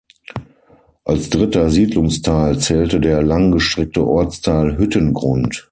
Als dritter Siedlungsteil zählte der langgestreckte Ortsteil „Hüttengrund“.